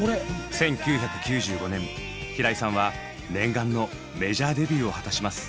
１９９５年平井さんは念願のメジャーデビューを果たします。